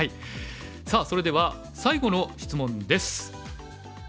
さあそれでは最後の質問です。